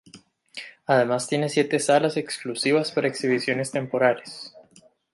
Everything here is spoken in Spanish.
Además tiene siete salas exclusivas para exhibiciones temporales.